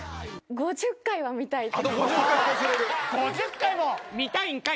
５０回も見たいんかい！